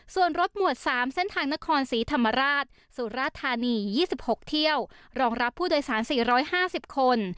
ส่วนรถหมวดสามเส้นทางนครศรีธรรมราชสุรทานียี่สิบหกเที่ยวรองรับผู้โดยสารสี่ร้อยห้าสิบคน